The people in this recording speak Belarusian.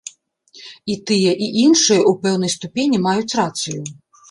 І тыя, і іншыя ў пэўнай ступені маюць рацыю.